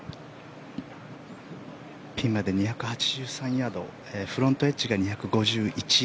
ピンまで２８３ヤードフロントエッジが２５１。